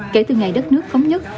kể từ ngày đất nước khống nhất